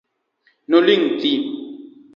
Noling thii.